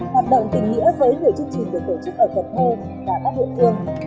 hoạt động tình nghĩa với nhiều chương trình được tổ chức ở cần thơ và các địa phương